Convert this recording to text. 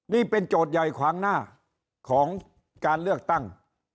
นี่เป็นโจทย์ใหญ่ขวางหน้าของการเลือกตั้ง